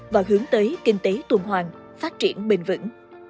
và hướng tới kinh tế tuần hoàng phát triển bình vẩn